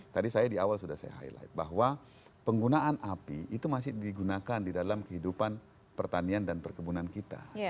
tadi saya di awal sudah saya highlight bahwa penggunaan api itu masih digunakan di dalam kehidupan pertanian dan perkebunan kita